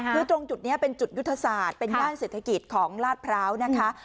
คือตรงจุดนี้เป็นจุดยุทธศาสตร์เป็นย่านเศรษฐกิจของลาดพร้าวนะคะ